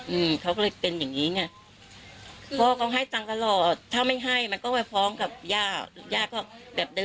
อืมเขาก็เลยเป็นอย่างงี้ไงพ่อก็ให้ตังค์ตลอด